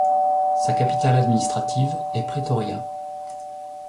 Sa capitale administrative est Pretoria.